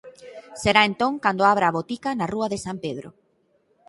Será entón cando abra a botica na rúa de San Pedro.